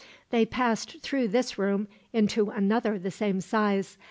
They passed through this room into another the same size.